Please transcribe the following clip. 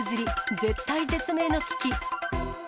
絶体絶命の危機。